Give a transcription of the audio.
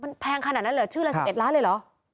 มันแพงขนาดนั้นเหรอชื่อละ๑๑ล้านเลยเหรอ